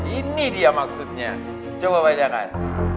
ini dia maksudnya coba baca kan